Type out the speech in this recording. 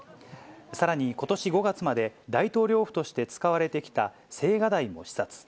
さらにことし５月まで、大統領府として使われてきた青瓦台も視察。